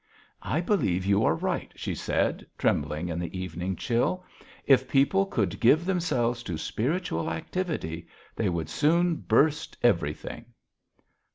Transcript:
"I believe you are right," she said, trembling in the evening chill. "If people could give themselves to spiritual activity, they would soon burst everything."